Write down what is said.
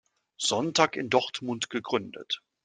Sonntag in Dortmund gegründet.